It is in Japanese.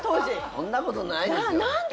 そんなことないですよ。